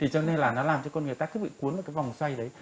cho nên là nó làm cho con người ta cứ bị cuốn vào cái vòng xoay đấy